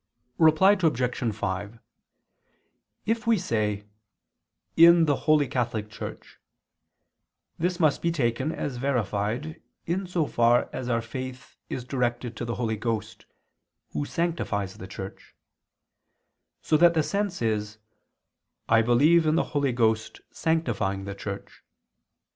Reply Obj. 5: If we say: "'In' the holy Catholic Church," this must be taken as verified in so far as our faith is directed to the Holy Ghost, Who sanctifies the Church; so that the sense is: "I believe in the Holy Ghost sanctifying the Church."